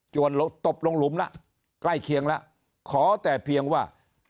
วนตบลงหลุมละใกล้เคียงแล้วขอแต่เพียงว่า